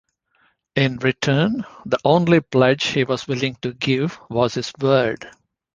In return, the only pledge he was willing to give was his word.